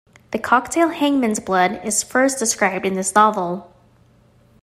The cocktail Hangman's Blood is first described in this novel.